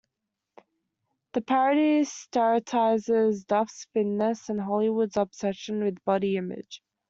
The parody satirizes Duff's thinness and Hollywood's obsession with body image.